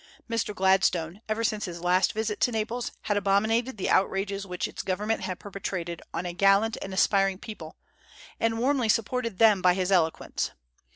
Mr. Gladstone, ever since his last visit to Naples, had abominated the outrages which its government had perpetrated on a gallant and aspiring people, and warmly supported them by his eloquence.